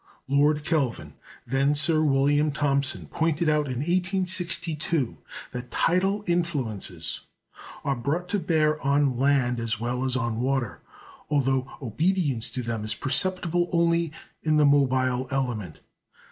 Lord Kelvin (then Sir William Thomson) pointed out in 1862 that tidal influences are brought to bear on land as well as on water, although obedience to them is perceptible only in the mobile element.